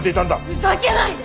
ふざけないで！